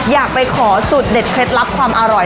อยากไปขอสูตรเด็ดเคล็ดลับความอร่อย